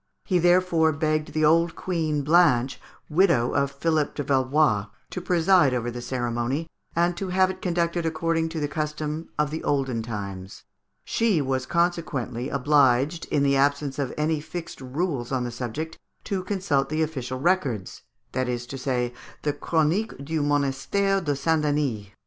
He therefore begged the old Queen Blanche, widow of Philippe de Valois, to preside over the ceremony, and to have it conducted according to the custom of olden times. She was consequently obliged, in the absence of any fixed rules on the subject, to consult the official records, that is to say, the "Chronique du Monastère de Saint Denis."